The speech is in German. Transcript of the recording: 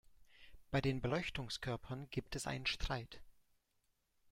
Bei den Beleuchtungskörpern gibt es einen Streit.